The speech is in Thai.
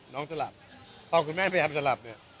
จะหลับพอคุณแม่พยายามจะหลับเนี่ย